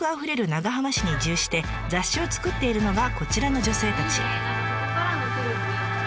長浜市に移住して雑誌を作っているのがこちらの女性たち。